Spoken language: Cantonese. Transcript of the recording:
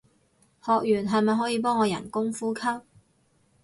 學完係咪可以幫我人工呼吸